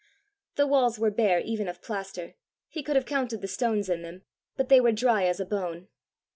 The walls were bare even of plaster; he could have counted the stones in them; but they were dry as a bone.